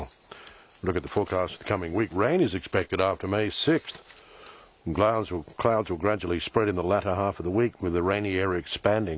そうですよね。